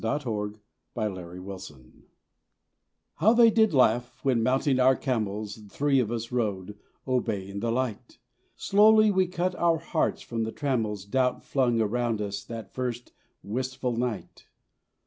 XLI THE RETURN OF THE MAGI HOW they did laugh, when mounting our camels Three of us rode, obeying the light; Slowly we cut our hearts from the trammels Doubt flung around us that first wistful night.